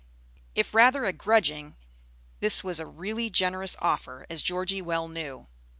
If rather a grudging, this was a really generous offer, as Georgie well knew.